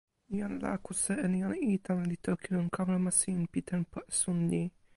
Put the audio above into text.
jan Lakuse en jan Itan li toki lon kalama sin pi tenpo esun ni.